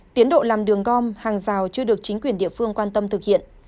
tiến độ làm đường gom hàng rào chưa được chính quyền địa phương quan tâm thực hiện